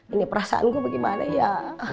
ini perasaan gue bagaimana ya